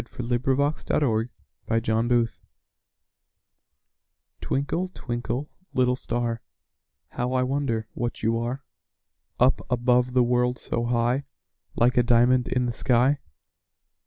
_ Twinkle, Twinkle, Little Star Twinkle, twinkle, little star; How I wonder what you are! Up above the world so high, Like a diamond in the sky.